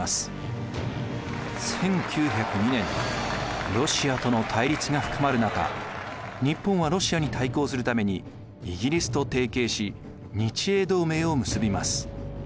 １９０２年ロシアとの対立が深まる中日本はロシアに対抗するためにイギリスと提携し日英同盟を結びます。